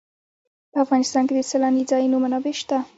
په افغانستان کې د سیلاني ځایونو منابع شته دي.